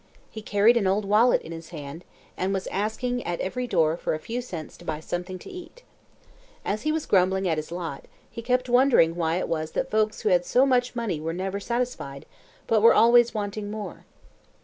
He carried an old wallet in his hand, and was asking at every door for a few cents to buy something to eat. As he was grumbling at his lot, he kept wondering why it was that folks who had so much money were never satisfied but were always wanting more.